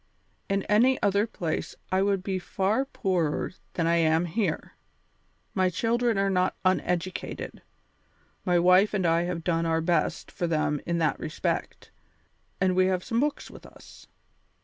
In any other place I would be far poorer than I am here. My children are not uneducated; my wife and I have done our best for them in that respect, and we have some books with us.